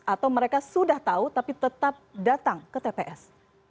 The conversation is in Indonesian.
atau mereka sudah tahu tapi tetap datang ke tps